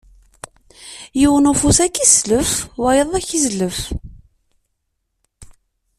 Yiwen ufus ad k-islef, wayeḍ ad k-izlef!